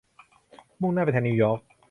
มุ่งหน้าไปทางนิวยอร์ก